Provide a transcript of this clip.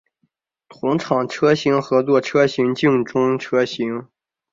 同厂车型合作车型竞争车型